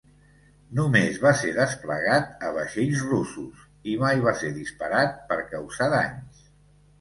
Només va ser desplegat a vaixells russos, i mai va ser disparat per causar danys.